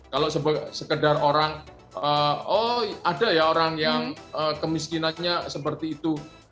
kalau sekedar orang oh ada ya orang yang kemiskinannya seperti itu